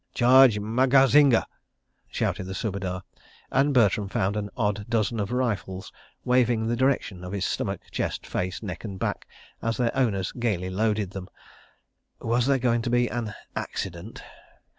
"Charge magazhinge," shouted the Subedar, and Bertram found an odd dozen of rifles waving in the direction of his stomach, chest, face, neck and back, as their owners gaily loaded them. ... Was there going to be an "accident"?